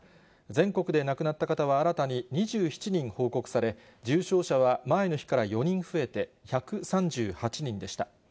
全国で亡くなった方は新たに２７人報告され、重症者は前の日から４人増えて１３８人でした。